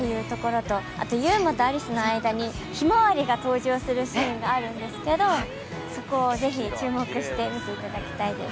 あと祐馬と有栖の間にひまわりが登場するシーンがあるんですけどそこをぜひ注目して見ていただきたいです。